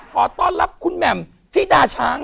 ขอต้อนรับคุณแหม่มที่ดาช้าง